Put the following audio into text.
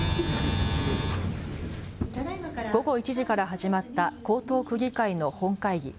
午後１時から始まった江東区議会の本会議。